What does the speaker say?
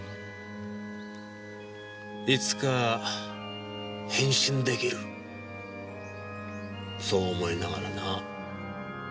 いつか変身出来るそう思いながらな。